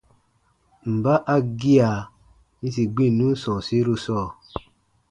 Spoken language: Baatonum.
Mba a gia yĩsi gbinnun sɔ̃ɔsiru sɔɔ?